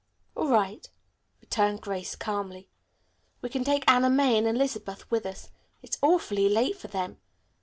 "All right," returned Grace calmly. "We can take Anna May and Elizabeth with us. It's awfully late for them.